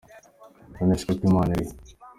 None se koko Imana iri he?.